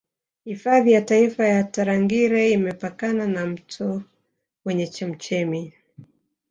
Hifadhi ya taifa ya Tarangire imepakana na mto wenye chemchemi